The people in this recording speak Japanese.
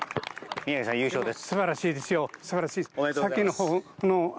宮城さん、優勝です。